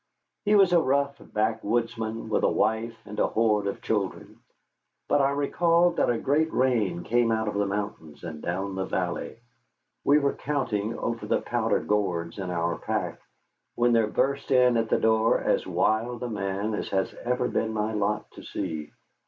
He was a rough backwoodsman with a wife and a horde of children. But I recall that a great rain came out of the mountains and down the valley. We were counting over the powder gourds in our packs, when there burst in at the door as wild a man as has ever been my lot to see.